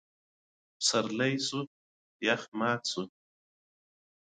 پسرلی شو؛ يخ مات شو.